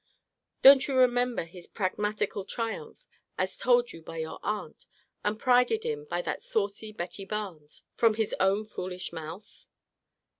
Don't you remember his pragmatical triumph, as told you by your aunt, and prided in by that saucy Betty Barnes, from his own foolish mouth?